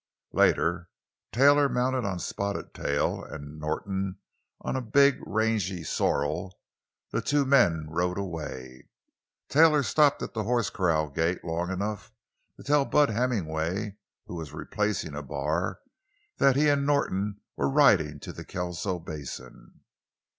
Later, Taylor, mounted on Spotted Tail, and Norton on a big, rangy sorrel, the two men rode away. Taylor stopped at the horse corral gate long enough to tell Bud Hemmingway, who was replacing a bar, that he and Norton were riding to the Kelso Basin.